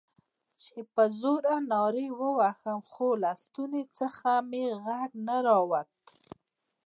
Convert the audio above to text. چې په زوره نارې ووهم، خو له ستوني څخه مې غږ نه راووت.